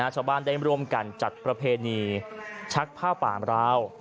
ชาวบ้านได้ร่วมกันจัดประเพณีชักผ้าป่าราว